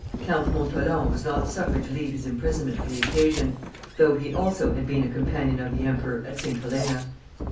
Count Montholon was not suffered to leave his imprisonment for the occasion, though he also had been a companion of the Emperor at St. Helena.